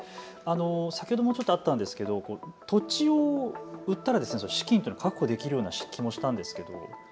先ほどもちょっとあったんですけど土地を売ったら資金、確保できるような気がしたんですけれど。